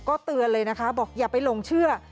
ก็เตือนเลยนะคะบอกอย่าไปหลงเชื่อ